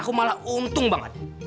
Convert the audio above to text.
aku malah untung banget